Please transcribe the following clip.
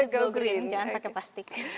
go green jangan pakai plastik